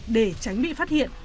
để tránh bị phát hiện